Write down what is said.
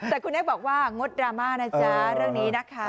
แต่คุณเอ็กซบอกว่างดดราม่านะจ๊ะเรื่องนี้นะคะ